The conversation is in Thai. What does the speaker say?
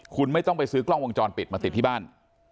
คุณไม่ต้องไปซื้อกล้องวงจรปิดมาติดที่บ้าน